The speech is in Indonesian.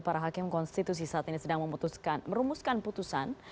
para hakim konstitusi saat ini sedang merumuskan putusan